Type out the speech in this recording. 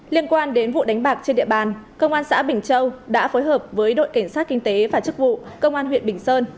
liên quan đến vụ đánh bạc trên địa bàn công an xã bình châu đã phối hợp với đội cảnh sát kinh tế và chức vụ công an huyện bình sơn